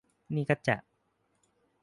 นี่ก็จะ